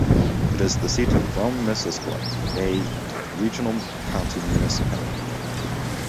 It is the seat of Brome-Missisquoi, a regional county municipality.